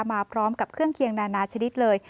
มาพร้อมกับเครื่องเคียงนานาชนิดเลย